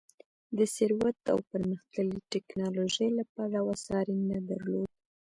د ثروت او پرمختللې ټکنالوژۍ له پلوه ساری نه درلود.